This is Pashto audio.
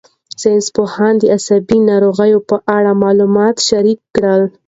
ساینسپوهان د عصبي ناروغیو په اړه معلومات شریک کړل.